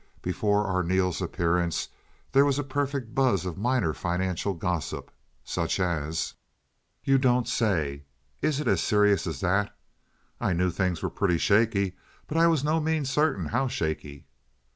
Before Arneel's appearance there was a perfect buzz of minor financial gossip, such as: "You don't say?" "Is it as serious as that?" "I knew things were pretty shaky, but I was by no means certain how shaky."